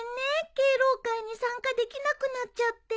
敬老会に参加できなくなっちゃって。